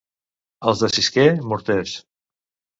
Els de Sisquer, morters.